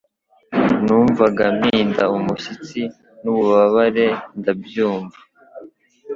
Numvaga mpinda umushyitsi n'ububabare ndabyumva